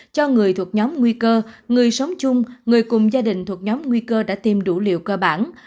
cho người thuộc nhóm nguy cơ người sống chung người cùng gia đình thuộc nhóm nguy cơ đã tiêm đủ liều cơ bản